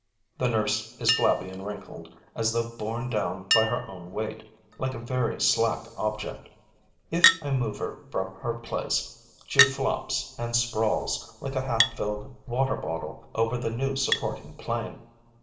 The nurse is flabby and wrinkled, as though borne down by her own weight, like a very slack object. If I move her from her place, she flops and sprawls like a half filled water bottle over the new supporting plane.